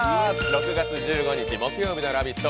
６月１５日木曜日の「ラヴィット！」